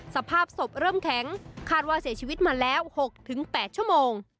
สภาพศพเริ่มแข็งคาดว่าเสียชีวิตมาแล้ว๖๘ชั่วโมง